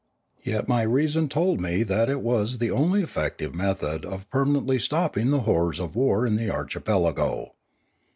Yet my reason told me that it was the only effective method of permanently stopping the horrors of war in the archipelago.